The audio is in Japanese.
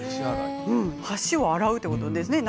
橋を洗うということですね。